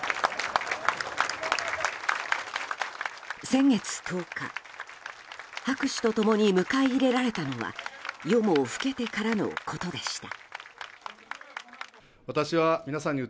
先月１０日、拍手と共に迎え入れられたのは夜も更けてからのことでした。